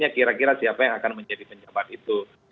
kira kira siapa yang akan menjadi penjabat itu